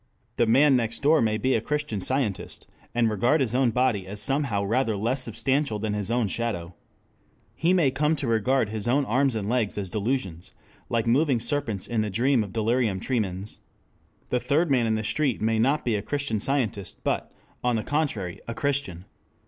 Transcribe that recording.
The man next door may be a Christian Scientist and regard his own body as somehow rather less substantial than his own shadow. He may come almost to regard his own arms and legs as delusions like moving serpents in the dream of delirium tremens. The third man in the street may not be a Christian Scientist but, on the contrary, a Christian.